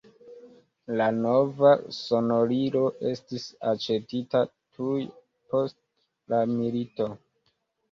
La nova sonorilo estis aĉetita tuj post la milito.